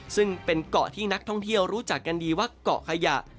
ซึ่งเป็นเกาะที่นักท่องเที่ยวรู้จักกันดีว่าเกาะขยะ